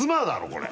これ。